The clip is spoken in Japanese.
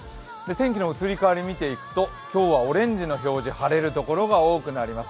天気の移り変わりを見ていくと今日はオレンジの表示、晴れる所が多くなります。